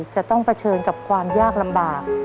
จะต้องเผชิญกับความยากลำบาก